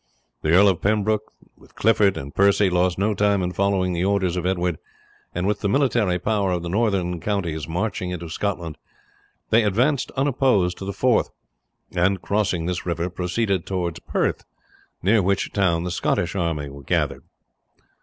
The Earl of Pembroke, with Clifford and Percy, lost no time in following the orders of Edward, and with the military power of the northern counties marched into Scotland. They advanced unopposed to the Forth, and crossing this river proceeded towards Perth, near which town the Scottish army were gathered.